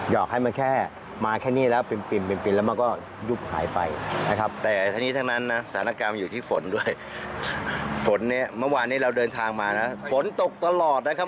ฝนเนี้ยเมื่อวานเนี้ยเราเดินทางมานะฝนตกตลอดนะครับ